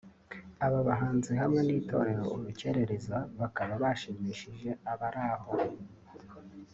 aba bahanzi hamwe n’itorero urukerereza bakaba bashimishije abari aho